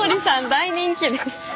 大人気です。